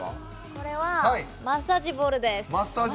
これはマッサージボールです。